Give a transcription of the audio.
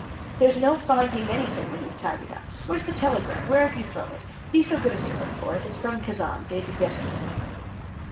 "There's no finding anything when you've tidied up. Where's the telegram? Where have you thrown it? Be so good as to look for it. It's from Kazan, dated yesterday."